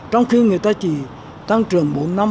trong khi người ta chỉ tăng trưởng bốn năm